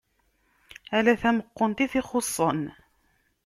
Ala tameqqunt i t-ixuṣṣen.